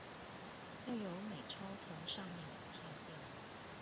要有美鈔從上面往下掉